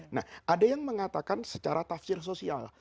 nah ada yang mengatakan secara tafsir sosial